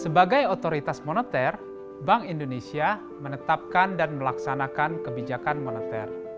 sebagai otoritas moneter bank indonesia menetapkan dan melaksanakan kebijakan moneter